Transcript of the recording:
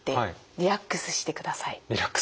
リラックス。